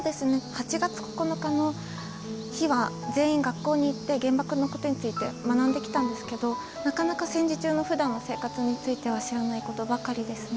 ８月９日の日は全員学校に行って原爆のことについて学んできたんですけどなかなか戦時中のふだんの生活については知らないことばかりですね。